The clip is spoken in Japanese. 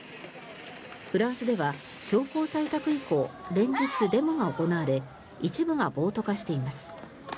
フランスでは強行採択以降連日、デモが行われ一部が暴徒化しています。